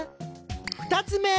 ２つ目。